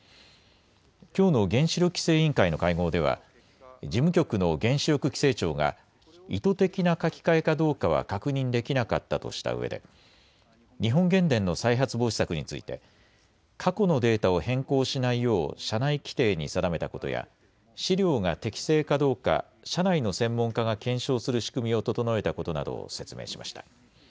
きょうの原子力規制委員会の会合では事務局の原子力規制庁が意図的な書き換えかどうかは確認できなかったとしたうえで日本原電の再発防止策について過去のデータを変更しないよう社内規定に定めたことや資料が適正かどうか社内の専門家が検証する仕組みを整えたことなどを説明しました。